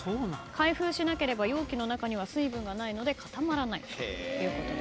開封しなければ容器の中には水分がないので固まらないということです。